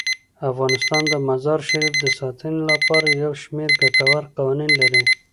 افغانستان د مزارشریف د ساتنې لپاره یو شمیر ګټور قوانین لري.